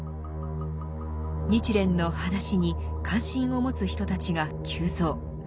日蓮の話に関心を持つ人たちが急増。